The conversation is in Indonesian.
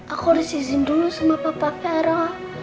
aku disizin dulu sama papa vero